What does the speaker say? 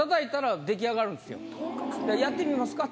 やってみますか？